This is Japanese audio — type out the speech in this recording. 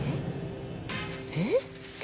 えっ？